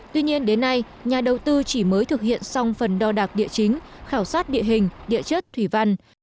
tuy nhiên đến nay nhà đầu tư chỉ mới thực hiện xong phần đo đạc địa chính khảo sát địa hình địa chất thủy văn